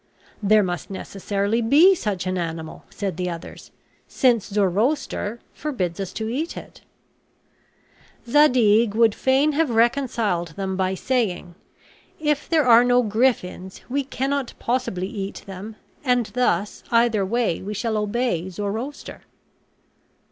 "There must necessarily be such an animal," said the others, "since Zoroaster forbids us to eat it." Zadig would fain have reconciled them by saying, "If there are no griffins, we cannot possibly eat them; and thus either way we shall obey Zoroaster."